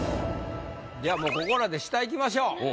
じゃあもうここらで下いきましょう。